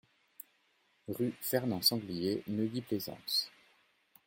Rue Fernand Sanglier, Neuilly-Plaisance